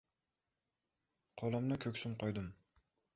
Qo‘limni ko‘ksim qo‘ydim.